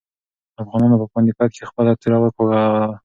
افغانانو په پاني پت کې خپله توره وکاروله.